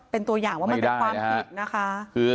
เป็นตัวอย่างว่ามันเป็นความผิดนะคะ